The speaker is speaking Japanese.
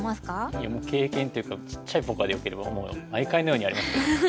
いやもう経験っていうかちっちゃいポカでよければ毎回のようにありますよね。